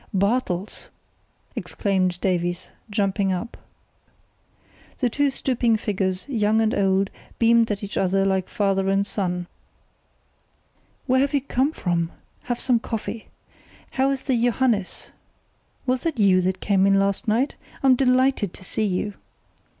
"Bartels!" exclaimed Davies, jumping up. The two stooping figures, young and old, beamed at one another like father and son. "Where have you come from? Have some coffee. How's the Johannes? Was that you that came in last night? I'm delighted to see you!"